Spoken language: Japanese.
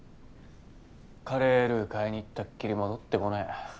カレールー買いに行ったっきり戻ってこねえ。